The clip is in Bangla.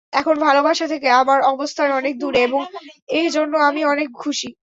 এখন ভালোবাসা থেকে আমার অবস্থান অনেক দূরে এবং এজন্য আমি অনেক খুশি।